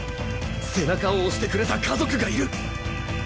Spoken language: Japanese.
背中を押してくれた家族がいる